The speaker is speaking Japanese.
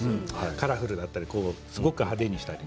カラフルだったりすごい派手にしたり。